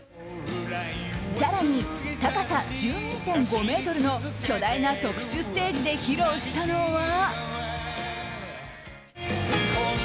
更に、高さ１２．５ｍの巨大な特殊ステージで披露したのは。